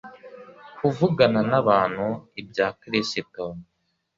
kuvugana nabantu ibya kirisito